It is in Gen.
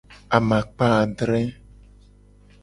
Amakpa adre.